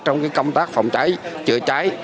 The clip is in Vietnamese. trong công tác phòng cháy chữa cháy